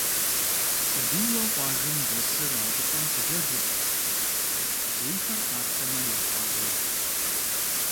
Сабийуэ къуажэм дэсыр а щӏыпӏэм щыджэгурт, зейхэр къаплъэмэ ялъагъуу.